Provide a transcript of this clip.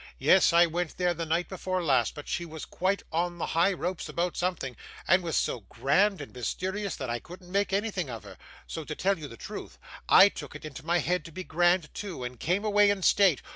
Yes, I went there the night before last, but she was quite on the high ropes about something, and was so grand and mysterious, that I couldn't make anything of her: so, to tell you the truth, I took it into my head to be grand too, and came away in state.